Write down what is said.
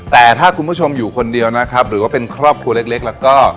แต่ถ้าคุณผู้ชมอยู่คนเดียวนะครับหรือว่าเป็นครอบครัวเล็กแล้วก็